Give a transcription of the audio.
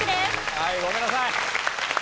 はいごめんなさい。